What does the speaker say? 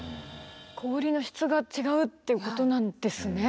氷の質が違うっていうことなんですね。